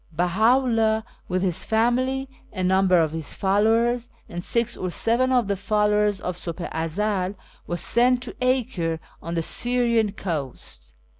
Beha iClldh, with his family, a num ber of his followers, and six or seven of the followers of SvJbli i Ezcl, was sent to Acre, on the Syrian coast.